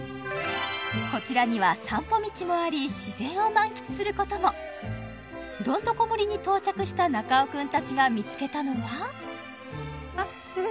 こちらには散歩道もあり自然を満喫することもどんどこ森に到着した中尾君たちが見つけたのはうん？